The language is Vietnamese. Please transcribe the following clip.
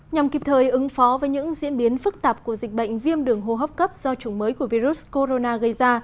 nhằm kịp thời ứng phó với những diễn biến phức tạp của dịch bệnh viêm đường hô hấp cấp do chủng mới của virus corona gây ra